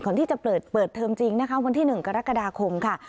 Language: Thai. ก่อนที่จะเปิดเทอมจริงนะคะวันที่๑กรกฎาคมค่ะ